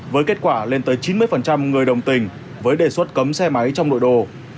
với kết quả lên tới chín mươi người đồng tình với đề xuất cấm xe máy trong nội đô